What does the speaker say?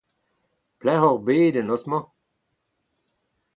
Pelec’h oc’h bet en noz-mañ ?